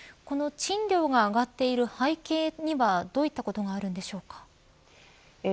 この賃料が上がっている背景にはどういったことがあるんでしょうか。